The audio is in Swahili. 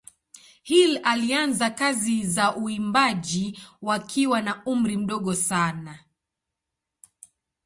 Hill alianza kazi za uimbaji wakiwa na umri mdogo sana.